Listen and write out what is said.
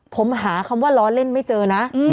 ผมหาคำว่าล้อเล่นไม่เจอนะ